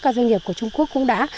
các doanh nghiệp của trung quốc cũng đã